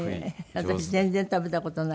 私全然食べた事ない。